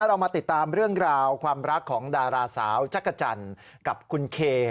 เรามาติดตามเรื่องราวความรักของดาราสาวจักรจันทร์กับคุณเค